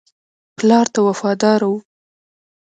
پلار ته وفادار وو.